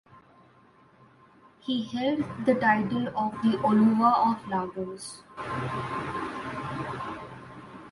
He held the title of the Oluwa of Lagos.